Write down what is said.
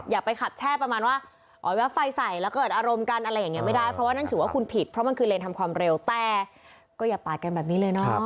อย่าไปขับแช่ประมาณว่าอ๋อแว๊บไฟใส่แล้วเกิดอารมณ์กันอะไรอย่างนี้ไม่ได้เพราะว่านั่นถือว่าคุณผิดเพราะมันคือเลนทำความเร็วแต่ก็อย่าปาดกันแบบนี้เลยเนาะ